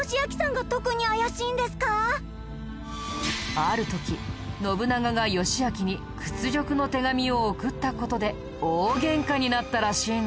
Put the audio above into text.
ある時信長が義昭に屈辱の手紙を送った事で大ゲンカになったらしいんだ。